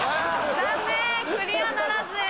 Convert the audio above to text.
残念クリアならずです。